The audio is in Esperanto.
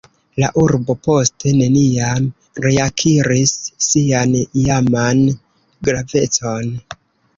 La urbo poste neniam reakiris sian iaman gravecon.